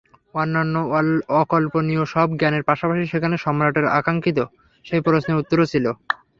অন্যান্য অকল্পনীয় সব জ্ঞানের পাশাপাশি সেখানে সম্রাটের আকাঙ্ক্ষিত সেই প্রশ্নের উত্তরও ছিল!